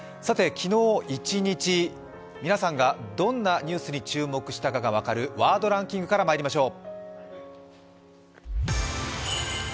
昨日一日、皆さんがどんなニュースに注目したかが分かるワードランキングからまいりましょう。